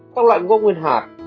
các loại ngũ cốc nguyên hạt